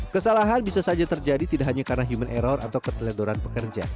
kesalahan bisa saja terjadi tidak hanya karena human error atau keteledoran pekerja